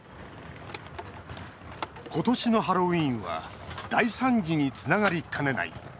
今年のハロウィーンは大惨事につながりかねない。